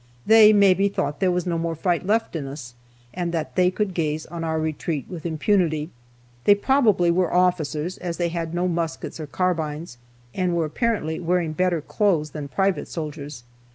They maybe thought there was no more fight left in us, and that they could gaze on our retreat with impunity. They probably were officers, as they had no muskets or carbines, and were apparently wearing better clothes than private soldiers.